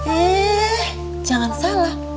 eh jangan salah